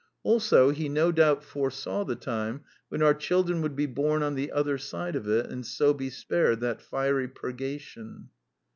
Also he no doubt foresaw the time when our children would be born on the other side of it, and so be spared that fiery purgation.